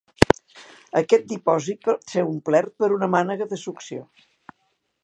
Aquest dipòsit pot ser omplert per una mànega de succió.